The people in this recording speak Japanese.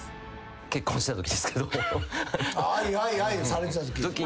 結婚してたときですけど。